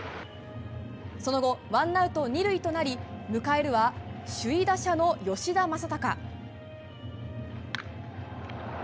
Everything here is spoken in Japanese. その後、ワンアウト２塁となり迎えるは首位打者の吉田正尚。